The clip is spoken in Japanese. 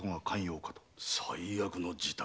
最悪の事態？